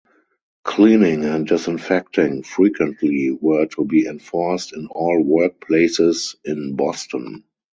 Cleaning and disinfecting frequently were to be enforced in all workplaces in Boston.